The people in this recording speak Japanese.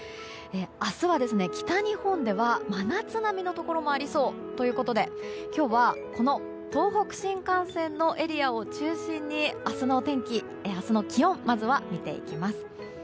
明日は北日本では真夏並みのところもありそうということで今日は東北新幹線のエリアを中心に明日の気温まずは見ていきます。